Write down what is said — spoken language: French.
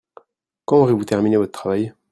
Quand aurez-vous terminé votre travail ?